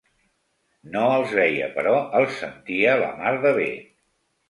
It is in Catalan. No els veia, però els sentia la mar de bé.